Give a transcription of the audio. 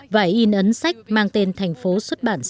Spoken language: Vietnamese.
và in ấn sách mang tên thành phố xuất bản và thanh niên